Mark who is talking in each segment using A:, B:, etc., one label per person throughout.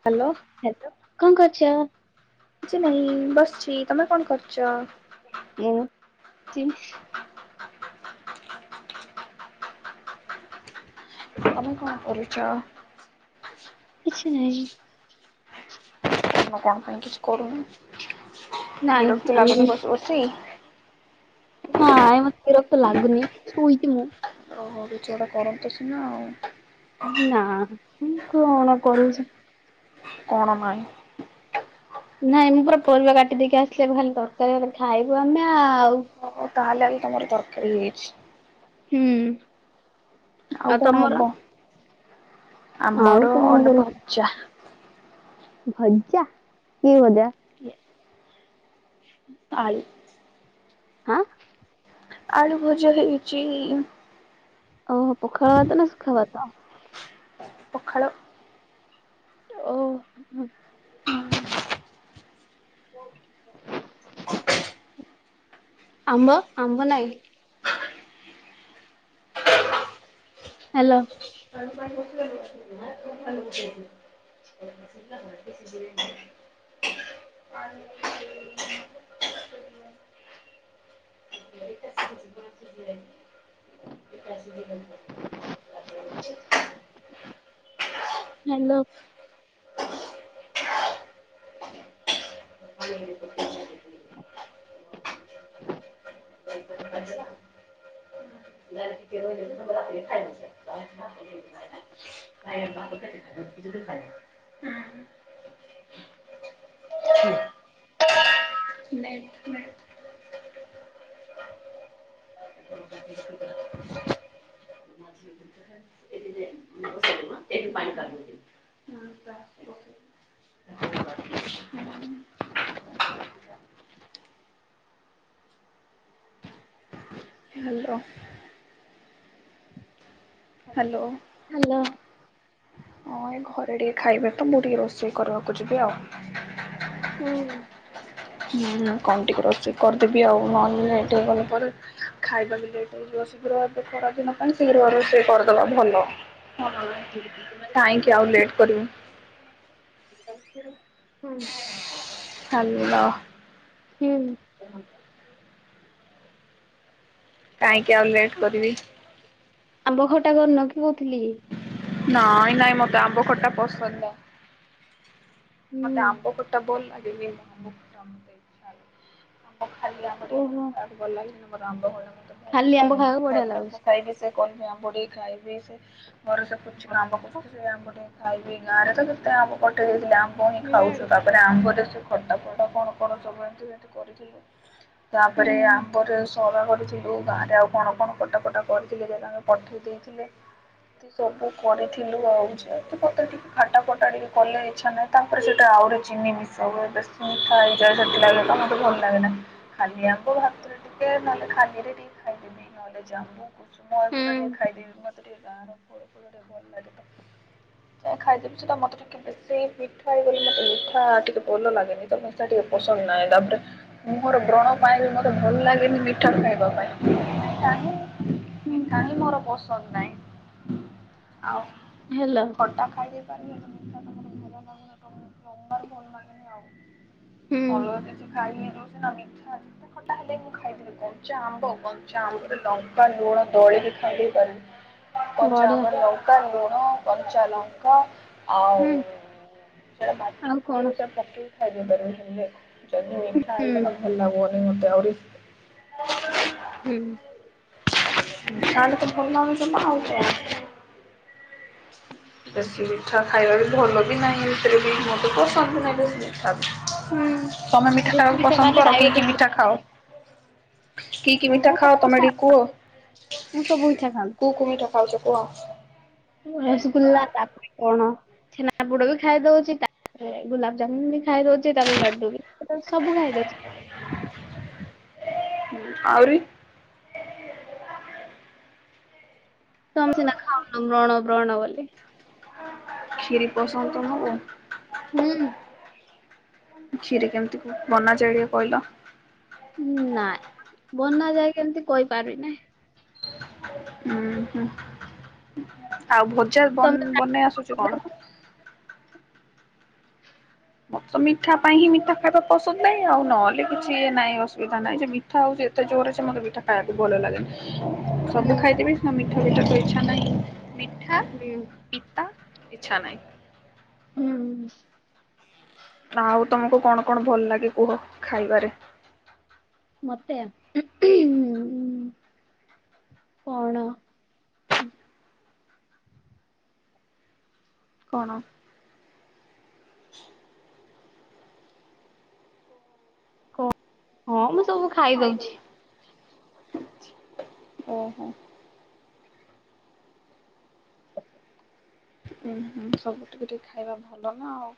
A: Hello
B: [unintelligible] କଣ କରୁଚ?
A: କିଛି ନାଇଁ ବସିଛି ତମେ କଣ କରୁଛ?
B: ମୁଁ [unintelligible]
A: ତମେ କଣ କରୁଚ?
B: କିଛି ନାହିଁ।
A: ତମେ କଣ ପାଇଁ କିଛି କରୁନ
B: ନାଇଁ
A: ବିରକ୍ତି
B: ଆମ
A: ଲାଗୁନି ବସି ବସି?
B: ନାଇଁ ମତେ ବିରକ୍ତ ଲାଗୁନି ଶୋଇଛି ମୁଁ।
A: ଓ ହୋ କିଛି ଗୋଟେ କରନ୍ତେ ସିନା ଆଉ।
B: ନାଁ ମୁଁ କଣ କରୁଛି?
A: କଣ ମାଇଁ?
B: ନାଇଁ ମୁଁ ପୁରା ପରିବା କାଟି ଦେଇକି ଆସିଲି, ଏବେ ଖାଲି ତରକାରୀ ହେବ ଖାଇବୁ ଆମେ ଆଉ।
A: ହଉ ତାହେଲେ ଆଜି ତମର ତରକାରୀ ହେଇଛି।
B: ହୁଁ। ଆଉ
A: କଣ
B: ତମର?
A: ହବ? ଆମର
B: ଆଉ କଣ
A: ଅଣ୍ଡା
B: କରି
A: ଭଜା
B: ଭଜା କି ଭଜା?
A: ଆଳୁ।
B: ହା?
A: ଆଳୁ ଭଜା ହେଇଚି।
B: ଆଉ ପଖାଳ ଭାତ ନା ସୁଖା ଭାତ?
A: ପଖାଳ।
B: ଓ [unintelligible] [inaudible] ଆମ୍ବ ଆମ୍ବ ନାଇଁ। ହାଲୋ।
A: [unintelligible] [unintelligible] [unintelligible] [unintelligible]
B: ହ୍ୟାଲୋ।
A: [inaudible] [inaudible] [inaudible] [unintelligible] ଏଇଠୁ ପାଣି କାଢିଲୁ କି? ହ୍ୟାଲୋ। Hello
B: hello.
A: ହଁ ଏ ଘରେ ଟିକେ ଖାଇବେ ତ ମୁଁ ଟିକେ ରୋଷେଇ କରିବାକୁ ଯିବି ଆଉ।
B: ହୁଁ।
A: ହୁଁ କଣ ଟିକେ ରୋଷେଇ କରିଦେବି ଆଉ ନହେ ଗଲା ପରେ ଖାଇବାବି ଦେଇଦବ ଶୀଘ୍ର ଏବେ ଖରାଦିନ ପାଇଁ ଶୀଘ୍ର ରୋଷେଇ କରିଦବା ଭଲ। ହଁ ପା ବେ କାଇଁକି ଆଉ ଲେଟ୍ କରିମି।
B: ହୁଁ।
A: ହାଲ।
B: ହୁଁ।
A: କାଇଁକି ଆଉ ଲେଟ୍ କରିବି?
B: ଆମ୍ବ ଖଟା କରିନ କି କରିଥିଲେ କି?
A: ନାଇଁ ନାଇଁ ମତେ ଆମ୍ବ ଖଟା ପସନ୍ଦ ନାଇଁ
B: ହୁଁ।
A: ମତେ ଆମ୍ବ ଖ ଖଟା ଭଲ ଲାଗି [unintelligible] ଆମ୍ବ ଖାଲି ଆମ୍ବ ଟିକେ ମୋତେ
B: ଓହୋ
A: ଖାଇବାକୁ ଭଲ ଲାଗେ। ବଟ ଆମ୍ବ ଖଟା ମତେ ଭଲ
B: ଖାଲି ଆମ୍ବ
A: ଲାଗେନି,
B: ଖାଇବାକୁ ବଢିଆ
A: ଖାଲି ଆମ୍ବ
B: ଲାଗୁଛି।
A: ଖାଇଲେ ସେ କହିବେ ଆମ୍ବ ଟିକେ ଖାଇଦେ ସେ ମୋର ସେତେ ଆମ ପଟେ ଆମ୍ୱ ଟିକେ ଖାଇବି ଗାଁରେ ତ କେତେ ଆମ ପଟେଇଦେଇଥିଲି ଆମ୍ୱ ହିଁ
B: ହୁଁ
A: ଖାଉଛୁ। ସେ ଆମ୍ୱରେ ସେ ଖଟା ଫଟା କଣ କଣ ସବୁ ଏମିତିମତି କରିଥିଲୁ ତାପରେ ଆମ୍ୱ ରେ ସରା କରିଚି। ଆଉ ଗାଁରେ ଆଉ କଣ କଣ କଟାକଟା କରିଥିଲେ ଯେ ତାଙ୍କେ ପଠେଇ ଦେଇଥିଲେ ଏ ତି ସବୁ କରିଥିଲୁ ଆଉଛ ତୁ କତ ଟିକ ଖାଟା ଫଟା ଟିକେ କଲେ ଇଚ୍ଛା ନାହିଁ ତାପରେ ସେଟା ଆହୁରି ଚିନି ମିସା ହୁଏ ବେଶି ମିଠା ହେଇଯାଏ ସେଥିଲାଗି ତ ଭଲ ଲାଗେ ନା ଖାଲି ଆମ୍ୱ ଭା ମ ଟିକେ ନହେଲେ ଖାଲି ରେ ଟିକେ ଖାଇଦେବି ନହେଲେ ଜାମୁ କୁସୁମ ଏଗୁରା ଟିକେ
B: ହୁଁ
A: ଖାଇଦେବି ମତେ ଟେ ଗାଁ ର ଫ [unintelligible] ଟିକେ ଭଲ ଲାଗେ ତ ଜାଏଖାଇଦେବି ସେଟା ମତ ଟିକେ କି ସେଇ ମିଠା ହେଇଗଲେ ମତେ ମିଠା ଟିକେ ଭଲ ଲାଗେନି ତ ମିଠା ଟିକେ ପସନ୍ଦ ନାଇଁ ତାପରେ ମୁଁ ମୋର ବ୍ରଣ ପାଇଁ ବି ମତେ ଭଲ ଲାଗେ ବି ମିଠା ଖାଇବା ପାଇଁ ନାହି ମିଠାହିଁ ମୋର ପସନ୍ଦ ନାଇ। ଆଉ।
B: ହାଲୋ।
A: ଖଟା ଖାଇ ଦେଇେଇ ପାରିବେ ମିଠା ତମ ଭଲ ଲାଗୁନ ତବାର ଭଲ ଲାଗେନି
B: ହୁଁ
A: ଆଉ। ଅଲଗା କିଛି ଖାଇ [unintelligible] ସିନା ମିଠା ଯେତେ ଖଟା ହେଲେ ମୁଁ ଖାଇଦେବି କଞ୍ଚା ଆମ୍ବ କଞ୍ଚା ଆମ୍ୱରେ ଲଙ୍କା ଲୁଣ ଦଳିକି ଖାଇ ଦେଇ ପାରିବି, କଞ୍ଚା
B: ବଢିଆ
A: ଆମ୍ବରେ ଲଙ୍କା, ଲୁଣ, କଞ୍ଚା ଲଙ୍କା। ଆଉ
B: ହୁଁ
A: ସେଟା ମାଟି
B: ଆଉ କଣ?
A: ପକେଇ ଖାଇ ଦେଇ ପାରିବେ ସେଟା ମିଠା ହେ
B: ହୁଁ
A: ଇଗଲା ଭଲ ଲାଗୁନି ମତେ ଆରି
B: ହୁଁ।
A: ତାହେଲେ ତ ଭଲ ଲାଗୁନି ଯମା ଆଉକଣ। ବେଶୀ ମିଠା ଖାଇବାରେ ଭଲ ବି ନାହିଁ ଏମତି ରେ ବି ମତେ ପସନ୍ଦ ବି ନାହିଁ
B: ହୁଁ
A: ବେଶି। ତମେ ମିଠା
B: ବେଶୀ
A: ଖାଇବାକୁ ପସନ୍ଦ
B: ଖାଇଲେ
A: କର କି କି
B: ଡାଇବେଟିସ୍
A: ମିଠା ଖାଅ? କି କି ମିଠା
B: ମୁଁ ତ
A: ଖାଅ ତମେ
B: ମିଠା
A: ଟିକେ କୁହ
B: ମୁଁ ସବୁ ମିଠା ଖାଉ
A: କୁକୁ ମିଠା ଖାଉଚ କୁହ?
B: ରସଗୋଲ୍ଲା ତାପରେ କଣ ଛେନା ଆପୁଡ ବି ଖାଇଦଉଛି ତାପରେ ଗୁଲାପଜାମୁନ ବି ଖାଇଦଉଛି ତାପରେ ଲଡୁ ବି ଖାଇଦଉଛି ସବୁ ଖାଇଦଉଛି।
A: ଆହୁରି।
B: ତମେ ସିନା ଖାଉନୁ ବ୍ରଣ ବ୍ରଣ ବୋଲି
A: କ୍ଷିରି ପସନ୍ଦ ତମକୁ?
B: ହୁଁ।
A: ଖିରି କେମିତି କ ବନା ଯାଏ ଟିକେ କଇଲ।
B: ନାଁ ବନା ଯାଏ କେମତି କହିପାରିବିନି।
A: ହୁଁ ହୁଁ ଆଉ ଭଜା ବନ୍
B: ତମେ
A: ବନେଇ ଆସୁଚି କଣ? ମତେ ତ ମିଠା ପାଇଁ ହିଁ ମିଠା ଖାଇବା ପସନ୍ଦ ନାଇଁ ଆଉ ନହେଲେ କିଛି ଇଏ ନାଇଁ ଅସୁବିଧା ନାଇଁ ଯେ ମିଠା ହଉଚି ଏତେ ଜୋରରେ ଯେ ମୋତେ ମିଠା ଖାଇବାକୁ ଭଲ ଲାଗେନି। ସବୁ
B: ହୁଁ
A: ଖାଇଦେବି ସ ମିଠା ବିଠ ତ ଇଚ୍ଛା ନାହିଁ ମିଠା
B: ହୁଁ।
A: ପିତା ଇଚ୍ଛା ନାହିଁ।
B: ହୁଁ।
A: ନା ଆଉ ତମକୁ କଣ କଣ ଭଲ ଲାଗେ କୁହ ଖାଇବାରେ?
B: ମତେ ପଣ
A: କଣ?
B: କ ହଁ ମୁଁ ସବୁ ଖାଇଦଉଛି।
A: ଓହୋ। ହୁଁ ହୁଁ ସବୁ ଟିକେ ଟିକେ ଖାଇବା ଭଲ ନା ଆଉ।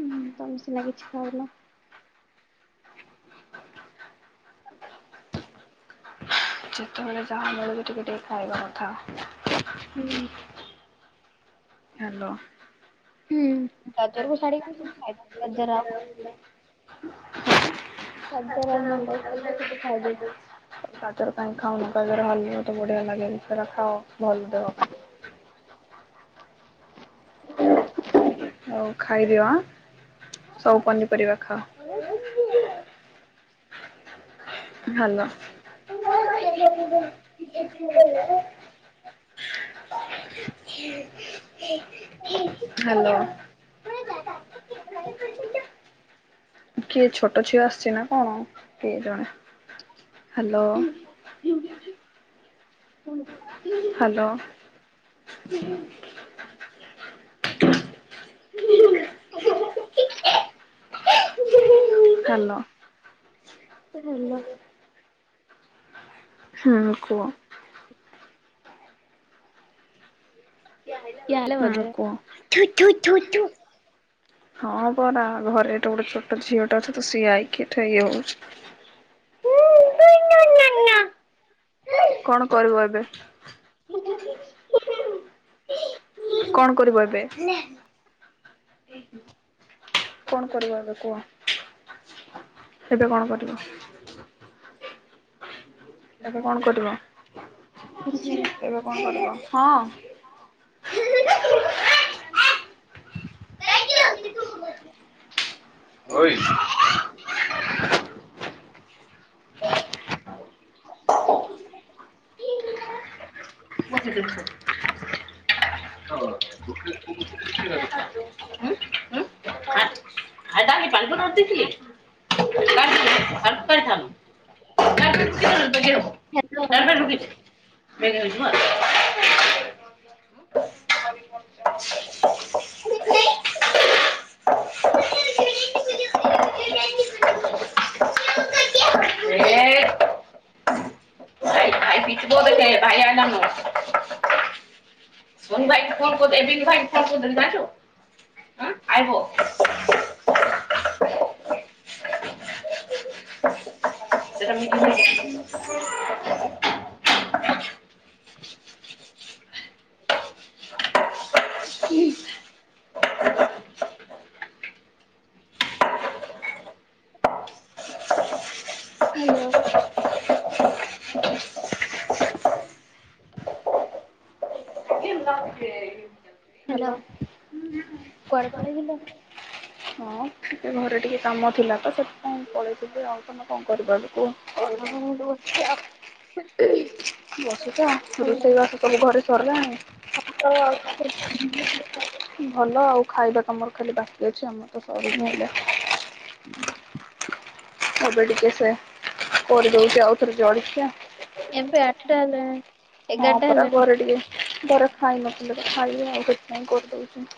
B: ହୁଁ ତମେ ସିନା କିଛି ଖାଉନ।
A: ଯେତେବେଳେ ଯାହା ମିଳିବ ଟିକେ ଟିକେ ଖାଇବା କଥା।
B: ହୁଁ।
A: ହାଲୋ।
B: ହୁଁ ଗାଜର କୁ ଛାଡି ମୁଁ ସବୁ ଖାଇଦଉଚି।
A: ଗାଜର ରହିଲା।
B: ଖଜାର ମୁଣ୍ଡା ଖାଲି ହେଟୁ ଖାଇଦଉଛି।
A: ଗାଜର କାହିଁ ଖାଉନ ଗାଜର ହାଲୁଆ ତ ବଢିଆ ଲାଗେ ସେରା ଖାଅ ଭଲ ଦେହ ପାଇଁଁ। ହଉ ଖାଇଦିଅ ଆଁ ସବୁ ପନିପରିବା ଖାଅ।
B: ହାଲୋ କିଏ
A: ହାଲୋ। ହଁ [inaudible] ହାଲୋ। କିଏ ଛୋଟ ଝିଅ ଆସିଚି ନା କଣ କିଏ ଜଣେ ହାଲୋ। ହାଲୋ। ହାଲୋ।
B: ହାଲୋ।
A: ହୁଁ କୁଅ।
B: ଆଇଲେ
A: ହୁଁ
B: ବୋଧେ।
A: କୁଅ। ହଁ ପରା ଘରେ ଏଟେ ଗୋଟେ ଛୋଟ ଝିଅ ଟେ ଅଛି ତ ସିଏ ଆଇକି ଏଠେ ଇଏ ହଉଚି। [inaudible] କଣ କରିବ ଏବେ? କଣ କରିବ ଏବେ?
B: ହ୍ୟାଲୋ
A: କଣ କରିବ ଏବେ କୁହ? ଏବେ କଣ କରିବ? ଏବେ କଣ କରିବ? ଏବେ କଣ କରିବ? ହଁ। ବୁଝିଦେଇଚି ସେ। [unintelligible]
B: ହଁ [unintelligible]
A: ଆାଇ ତା ପାଣିପ ଦେଇଥିଲିଥାୁ [unintelligible] ବେି ବେଗ [unintelligible] ହଁ [unintelligible] ପ ବ ଭୟାନନ [unintelligible] ସୋନ ଭାଇ ଫୁ କହୁ ଏ ଭାଇ ଫୁ କହୁିଛୁ [unintelligible] ହଁ ଆଇବ ସେମ [unintelligible]
B: [inaudible] ହ୍ୟାଲୋ। ହ୍ୟାଲୋ।
A: ହ୍ୟାଲୋ
B: କୁଆଡ଼େ ପଳେଇଥିଲ?
A: ହଁ ଟିକେ ଘରେ ଟିକେ କାମ ଥିଲା ତ ସେଥି ପାଇଁ ପଳେଇଥିଲି ଆଉ ତମେ କଣ କରିବ ଏବେ କୁହ?
B: କ ଦ [unintelligible]
A: ବସଛ ରୋଷେଇବାସ ସବୁ ଘରେ ସରିଲାଣି?
B: ଓ ଆଉ [unintelligible]
A: ଭଲ ଆଉ ଖାଇବା ତମର ଖାଲି ବାକି ଅଛି ଆମର ତ ସରିନି ହେଲେ
B: [inaudible]
A: ଏବେ ଟିକେ ସେ କରି ଦଉଛି ଆଉଥରେ ଜଳିଖ୍ୟା।
B: ଏବେ ଆଠଟା ହେଲାନି
A: ହଁ ପରା ଘରେ ଟିକେ ଘର ଖାଇ ନଥିଲେ ଖାଇବେ ଆଉ କିଛି ନାଇଁ କରିଦଉଛି।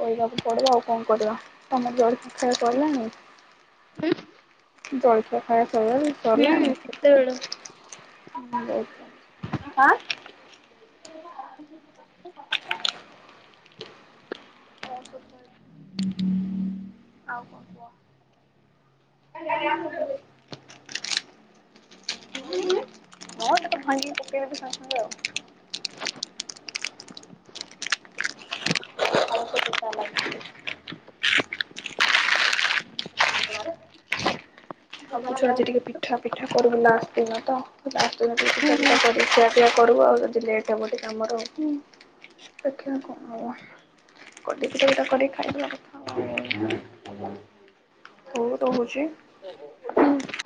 A: କରିବାକୁ ପଡିବା ଆଉ କଣ କରିବା ତମ ଜର [unintelligible] ଶଖରେ କହିଲାନି ଜଳଖିଆ ଖାଇବ ସଇଲା
B: ହୁଁ
A: ସାରିଲାଣି?
B: ଏତେବେଳୁ।
A: ଆଁ ଆଉ କଣ କୁହ?
B: କଲି ଆ [unintelligible] କହୁନୁ
A: ଭଙ୍ଗିକି ପକେଇବ ଆଉ [unintelligible] କ [unintelligible]
B: [inaudible]
A: ଆଉ କିଛି ଆଜି ଟିକେ ପିଠା ପିଠା କରିବୁ ଲାଷ୍ଟ ଦିନ ତ ଲାଷ୍ଟ ଦିନ ଟିକେ ପିଠା ପିଠା କର ଟିକେ ଖିଆ ପିଆ କରିବୁ ଆଉ ଯଦି ଲେଟ୍ ହବ ଟିକ ଆମର ଆଉ ଦେଖିବା କଣ ହ କଟି ପିଠା ଫିଠା କରୀକି ଖାଇଦେବ କଥା ଆଉ ହଉ ରହୁଛି
B: ହୁଁ।